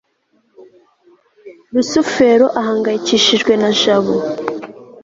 rusufero ahangayikishijwe na jabo